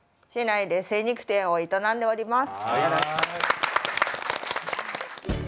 市内で精肉店を営んでおります。